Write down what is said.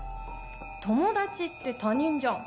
友達って他人じゃん。